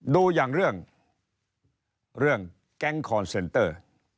ดูอย่างเรื่องแก๊งคอนเซนเตอร์